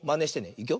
いくよ。